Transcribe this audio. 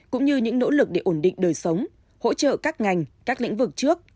cũng như những nỗ lực để ổn định đời sống hỗ trợ các ngành các lĩnh vực trước